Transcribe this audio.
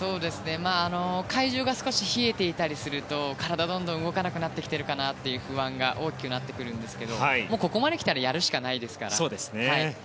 会場が冷えていたりすると体が動かなくなってきているかなという不安が大きくなってくるんですがここまで来たらやるしかないですから。